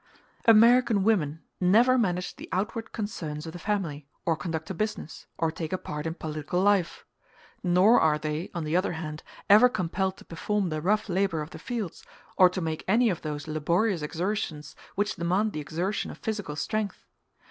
American women never manage the outward concerns of the family, or conduct a business, or take a part in political life; nor are they, on the other hand, ever compelled to perform the rough labor of the fields, or to make any of those laborious exertions which demand the exertion of physical strength.